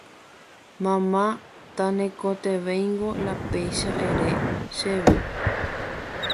Mama natekotevẽingo la péicha ere chéve